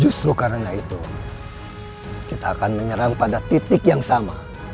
justru karena itu kita akan menyerang pada titik yang sama